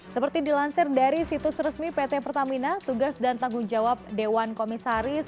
seperti dilansir dari situs resmi pt pertamina tugas dan tanggung jawab dewan komisaris